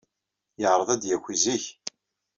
Yeɛreḍ ad d-yaki zik.